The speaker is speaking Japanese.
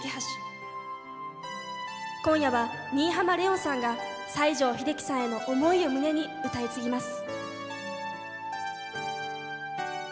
今夜は新浜レオンさんが西城秀樹さんへの思いを胸に歌い継ぎます。